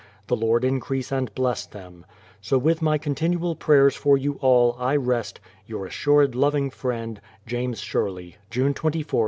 The Lord increase and bless them. ... So with my continual prayers for you all, I rest Your assured loving friend, June 24th, 1633.